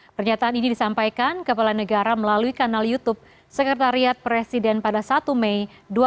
pernyataan ini disampaikan kepala negara melalui kanal youtube sekretariat presiden pada satu mei dua ribu dua puluh